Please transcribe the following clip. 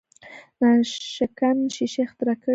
ناشکن ښیښه اختراع کړې وه.